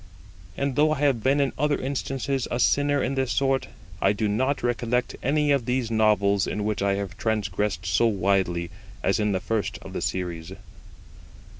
And though I have been in other instances a sinner in this sort, I do not recollect any of these novels in which I have transgressed so widely as in the first of the series.